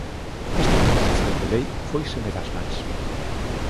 Esta proposición de lei fóiseme das mans.